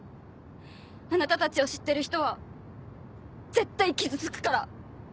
あなたたちを知ってる人は絶対傷つくから。